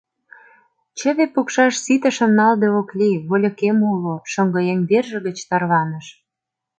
— Чыве пукшаш ситышым налде ок лий, вольыкем уло, — шоҥгыеҥ верже гыч тарваныш.